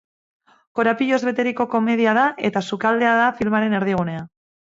Korapiloz beteriko komedia da eta sukaldea da filmaren erdigunea.